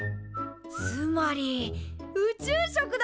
つまり宇宙食だ！